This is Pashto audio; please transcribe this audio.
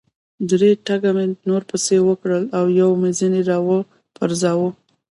درې ټکه مې نور پسې وکړل او یو مې ځنې را و پرځاوه.